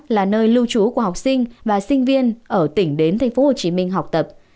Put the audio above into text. là nơi lưu trú của học sinh và sinh viên ở tỉnh đến tp hcm học tập